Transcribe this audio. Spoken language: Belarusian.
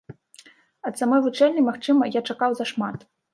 Ад самой вучэльні, магчыма, я чакаў зашмат.